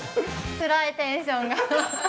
つらい、テンションが。